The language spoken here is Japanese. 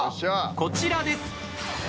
こちらです。